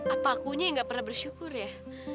apa akunya yang gak pernah bersyukur ya